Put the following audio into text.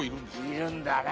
いるんだね。